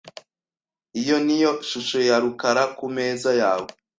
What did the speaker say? Iyo niyo shusho ya rukara kumeza yawe?